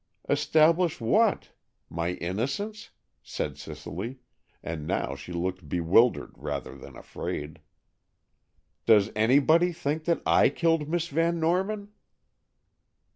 "Establish what? My innocence?" said Cicely, and now she looked bewildered, rather than afraid. "Does anybody think that I killed Miss Van Norman?"